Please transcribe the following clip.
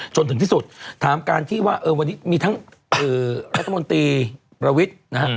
จนถึงที่สุดถามการที่ว่าวันนี้มีทั้งรัฐมนตรีประวิทย์นะฮะ